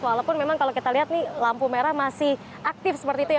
walaupun memang kalau kita lihat nih lampu merah masih aktif seperti itu ya